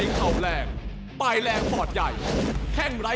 สวัสดีครับ